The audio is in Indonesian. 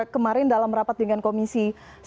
kemarin dalam rapat dengan komisi sembilan